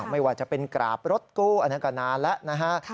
ไม่ว่าจะเป็นกราบรถกู้อันนั้นก็นานแล้วนะฮะ